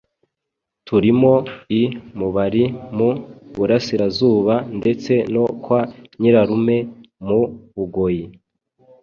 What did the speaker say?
turimo i Mubari mu burasirazuba ndetse no kwa nyirarume mu Bugoyi,